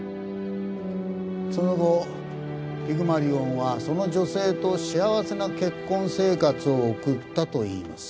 その後ピグマリオンはその女性と幸せな結婚生活を送ったといいます。